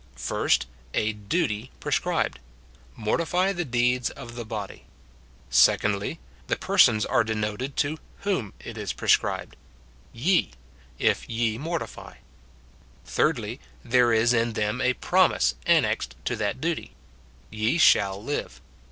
First, A duty prescribed :" Mortify the deeds of the body." Secondly, The persons are denoted to whom it is pre scribed : "Ye," — "if ye mortify." Thirdly, There is in them a promise annexed to that duty: "Ye shall live."